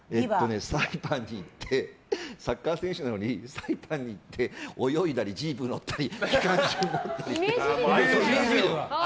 サイパンに行ってサッカー選手なのに泳いだり、ジープに乗ったり機関銃を持ったりしました。